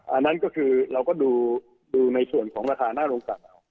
อันนั้นก็คือเราก็ดูในส่วนของราคาหน้าโรงการเอา